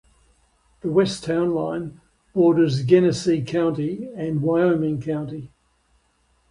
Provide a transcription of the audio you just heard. The west town line borders Genesee County and Wyoming County.